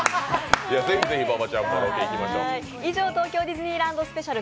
ぜひ馬場ちゃんもロケ行きましょう。